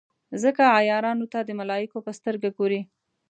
ځکه عیارانو ته د ملایکو په سترګه ګوري.